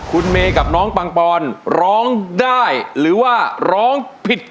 คุณเมย์กับน้องปังปอนร้องได้หรือว่าร้องผิด